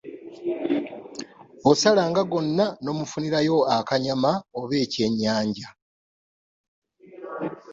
Osalanga gonna n’omufunirayo akanyama oba ekyennyanja.